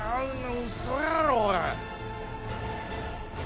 ウソやろおい。